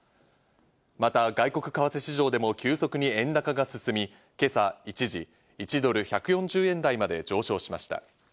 また、外国為替市場でも急速に円高が進み、今朝、一時１ドル＝１４０円台まで上昇しました。